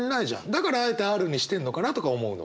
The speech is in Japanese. だからあえてＲにしてるのかなとか思うの。